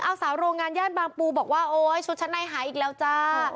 เอาสาวโรงงานย่านบางปูบอกว่าโอ๊ยชุดชั้นในหายอีกแล้วจ้า